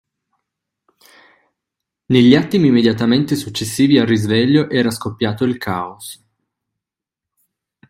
Negli attimi immediatamente successivi al risveglio era scoppiato il caos